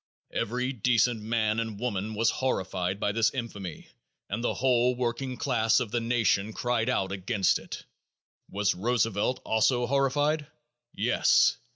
Every decent man and woman was "horrified" by this infamy and the whole working class of the nation cried out against it. Was Roosevelt also "horrified"? Yes!